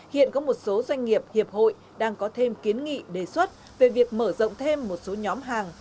hiện có một số doanh nghiệp hiệp hội đang có thêm kiến nghị đề xuất về việc mở rộng thêm một số nhóm hàng